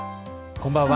こんばんは。